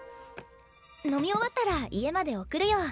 飲み終わったら家まで送るよ。